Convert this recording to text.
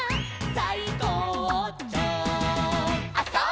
「さいこうちょう」